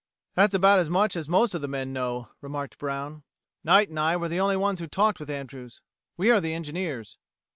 "That's about as much as most of the men know," remarked Brown. "Knight and I were the only ones who talked with Andrews. We are the engineers."